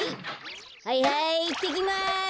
はいはいいってきます。